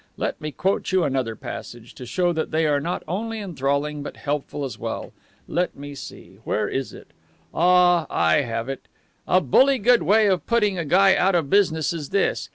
Let me quote you another passage, to show that they are not only enthralling, but helpful as well. Let me see, where is it? Ah, I have it. 'A bully good way of putting a guy out of business is this.